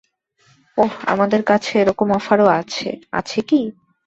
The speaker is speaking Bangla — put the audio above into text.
ওহ, আমাদের কাছে এরকম অফারও আছে, আছে কি?